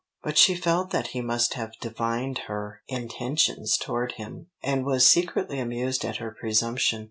But she felt that he must have divined her intentions toward him, and was secretly amused at her presumption.